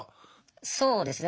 そうですね